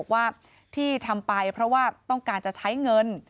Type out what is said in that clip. ว่าต้องการจะใช้เงิน